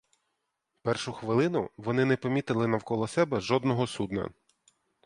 Першу хвилину вони не помітили навколо себе жодного судна.